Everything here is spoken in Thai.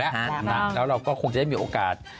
แล้วเราก็คงจะได้มีโอกาส